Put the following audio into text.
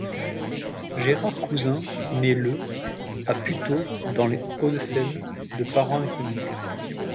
Gérard Cousin naît le à Puteaux dans les Hauts-de-Seine de parents inconnus.